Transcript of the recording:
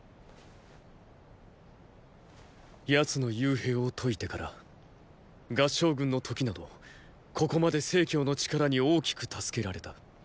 奴の幽閉を解いてから合従軍の時などここまで成の力に大きく助けられた。